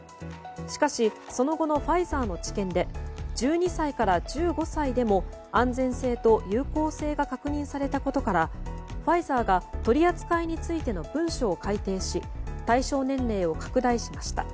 しかし、その後のファイザーの治験で１２歳から１５歳でも安全性と有効性が確認されたことからファイザーが取り扱いについての文書を改定し対象年齢を拡大しました。